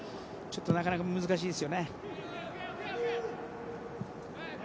ちょっと、なかなか難しいですよね。